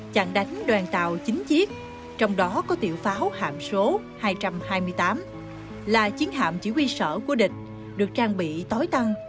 trận đánh đoàn tàu chín chiếc trong đó có tiểu pháo hạm số hai trăm hai mươi tám là chiến hạm chỉ huy sở của địch được trang bị tối tăng